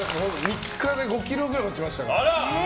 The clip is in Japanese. ３日で５ｋｇくらい落ちましたから。